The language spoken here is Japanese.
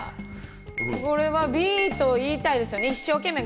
これはＢと言いたいです。